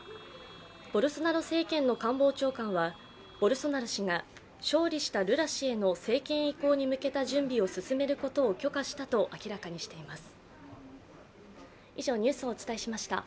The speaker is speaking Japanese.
ボルソナロ政権の官房長官はボルソナロ氏が勝利したルラ氏への政権以降に向けた準備を進めることを許可したと明らかにしています。